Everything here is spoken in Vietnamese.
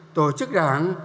tổ chức đảng